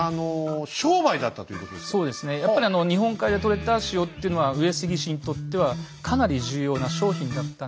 やっぱり日本海でとれた塩っていうのは上杉氏にとってはかなり重要な商品だったんで。